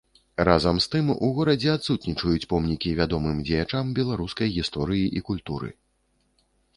Разам з тым у горадзе адсутнічаюць помнікі вядомым дзеячам беларускай гісторыі і культуры.